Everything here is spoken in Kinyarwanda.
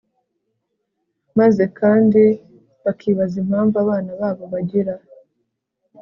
Maze kandi bakibaza impamvu abana babo bagira